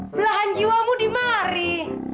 belahan jiwamu dimari